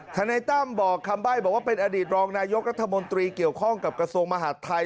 นายตั้มบอกคำใบ้บอกว่าเป็นอดีตรองนายกรัฐมนตรีเกี่ยวข้องกับกระทรวงมหาดไทย